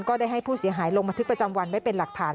ได้ให้ผู้เสียหายลงบันทึกประจำวันไว้เป็นหลักฐาน